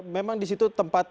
memang di situ tempat